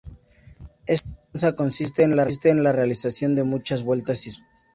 Esta danza consiste en la realización de muchas vueltas y saltos.